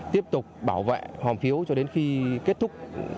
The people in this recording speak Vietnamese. tiếp tục bảo vệ hoàn phiếu cho đến khi kết thúc